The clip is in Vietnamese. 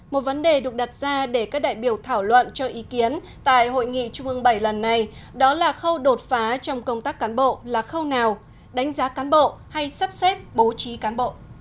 một vấn đề được đặt ra để các đại biểu thảo luận cho ý kiến tại hội nghị trung ương bảy lần này đó là khâu đột phá trong công tác cán bộ là khâu nào đánh giá cán bộ hay sắp xếp bố trí cán bộ